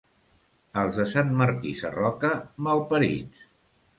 Els de Sant Martí Sarroca, malparits.